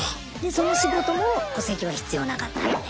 その仕事も戸籍は必要なかったので。